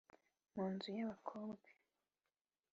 mu nzu y Abakobwa